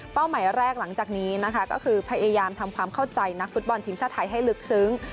หมายแรกหลังจากนี้นะคะก็คือพยายามทำความเข้าใจนักฟุตบอลทีมชาติไทยให้ลึกซึ้ง